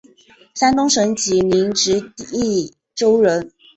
山东省济宁直隶州人。